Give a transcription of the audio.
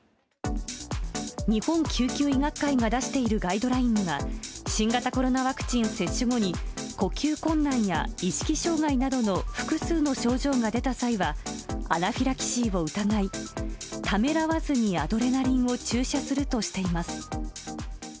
日本救急医学会が出しているガイドラインには、新型コロナワクチン接種後に、呼吸困難や意識障害などの複数の症状が出た際は、アナフィラキシーを疑い、ためらわずにアドレナリンを注射するとしています。